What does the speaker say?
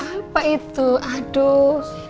apa itu aduh